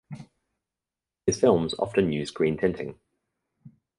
His films often use green tinting.